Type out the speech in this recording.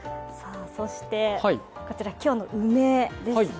こちら、今日の梅ですね。